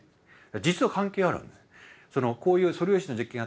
実は関係あるんです。